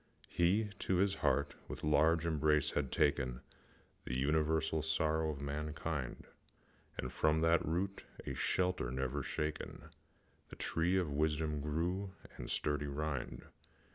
He to his heart with large embrace had taken The universal sorrow of mankind, And, from that root, a shelter never shaken, The tree of wisdom grew with sturdy rind.